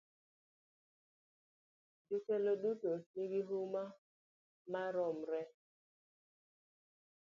Jotelo duto nigi huma maromre.